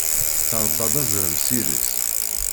Trebba-d azrem s iri-s.